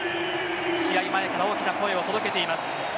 試合前から大きな声を届けています。